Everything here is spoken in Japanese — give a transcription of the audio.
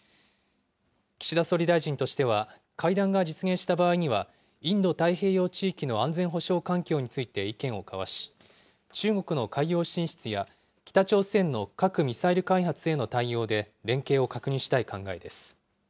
岸田総理大臣としては、会談が実現した場合には、インド太平洋地域の安全保障環境について意見を交わし、中国の海洋進出や北朝鮮の核・ミサイル開発への対応で連携を確認したい考えです。